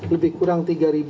lebih kurang tiga ribu